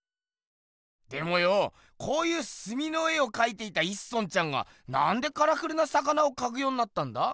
でもよこういうすみの絵をかいていた一村ちゃんがなんでカラフルな魚をかくようになったんだ？